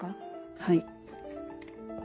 はい。